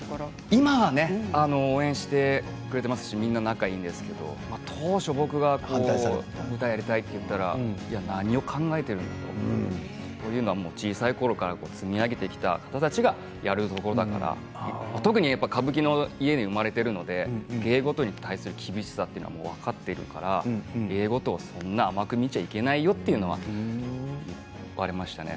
今は応援してくれていますし仲がいいんですけれども当初、僕が舞台をやりたいと言ったら何を考えているんだとそういうのは小さいころから積み上げてきた人たちができることなんだから特に歌舞伎の家に生まれているので芸事に対する厳しさは分かっているから芸事をそんなに甘く見ちゃいけないよとは言われましたね。